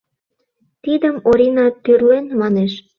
Тидым Орина тӱрлен, — манеш.